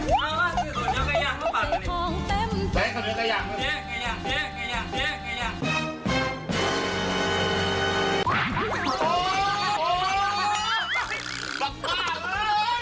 ภาพชื่อเขาเหนียวไก่ย่างมาฝากกัน